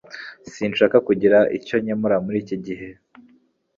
Sinshaka kugira icyo nkemura muri iki gihe